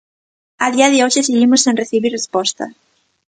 A día de hoxe seguimos sen recibir resposta.